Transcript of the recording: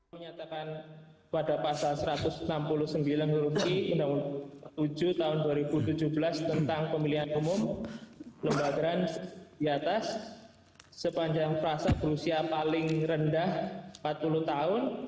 menyatakan pada pasal satu ratus enam puluh sembilan huruf i undang undang tujuh tahun dua ribu tujuh belas tentang pemilihan umum lembaga trans sepanjang prasa berusia paling rendah empat puluh tahun